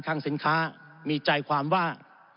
ทางสินค้ามีใจความว่า